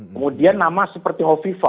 kemudian nama seperti hovifa